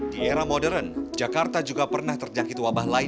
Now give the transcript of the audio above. di era modern jakarta juga pernah terjangkit wabah lain